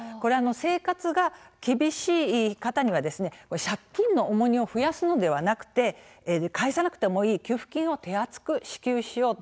生活が厳しい方には借金の重荷を増やすのはなくて返さなくてもいい給付金を手厚く支給しようと。